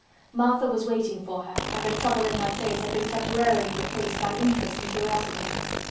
Martha was waiting for her and the trouble in her face had been temporarily replaced by interest and curiosity.